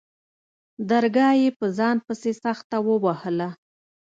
درگاه يې په ځان پسې سخته ووهله.